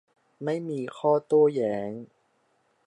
ไม่มีข้อโต้แย้ง